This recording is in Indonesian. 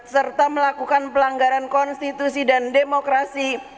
serta melakukan pelanggaran konstitusi dan demokrasi